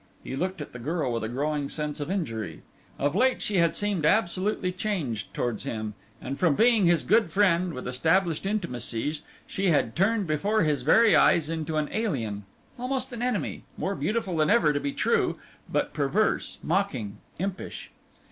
He looked at the girl with a growing sense of injury. Of late she had seemed absolutely changed towards him; and from being his good friend, with established intimacies, she had turned before his very eyes into an alien, almost an enemy, more beautiful than ever, to be true, but perverse, mocking, impish.